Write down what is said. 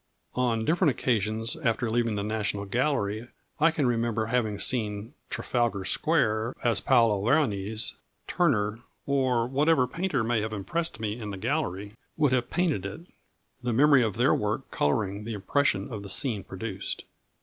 On different occasions after leaving the National Gallery I can remember having seen Trafalgar Square as Paolo Veronese, Turner, or whatever painter may have impressed me in the Gallery, would have painted it, the memory of their work colouring the impression the scene produced.